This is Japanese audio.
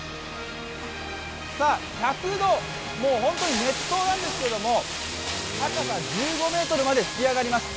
１００度、もう本当に熱湯なんですけれども、高さ１５ｍまで噴き上がります。